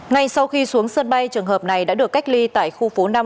ngay sau khi xuống sân bay trường hợp này đã được cách ly tại khu phố năm